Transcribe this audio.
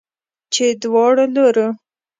چې دواړو لورو